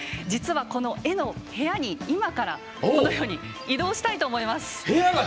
実は、この絵の部屋に今から移動したいと思います。